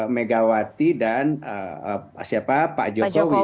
megawati dan siapa pak jokowi